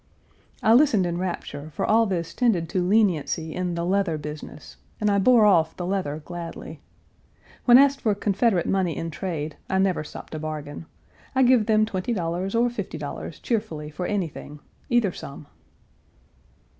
I listened in rapture, for all this tended to leniency in the leather business, and I bore off the leather gladly. When asked for Confederate money in trade I never stop to bargain. I give them $20 or $50 cheerfully for anything either sum.